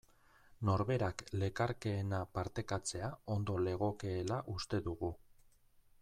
Norberak lekarkeena partekatzea ondo legokeela uste dugu.